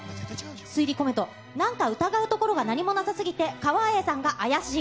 推理コメント、なんか疑うところが何もなさすぎて、川栄さんが怪しい。